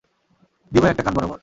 দিব একটা কান বরাবর!